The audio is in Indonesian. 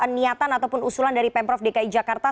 niatan ataupun usulan dari pemprov dki jakarta